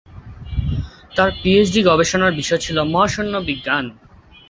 তার পিএইচডি গবেষণার বিষয় ছিল মহাশূন্য বিজ্ঞান।